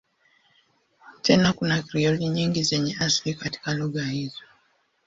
Tena kuna Krioli nyingi zenye asili katika lugha hizo.